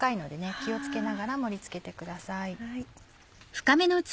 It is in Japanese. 気を付けながら盛り付けてください。